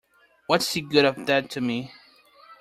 What's the good of that to me?